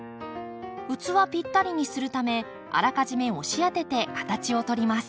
器ぴったりにするためあらかじめ押し当てて形を取ります。